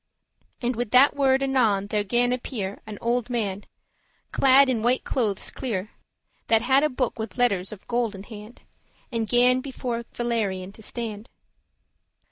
And with that word anon there gan appear An old man, clad in white clothes clear, That had a book with letters of gold in hand, And gan before Valerian to stand.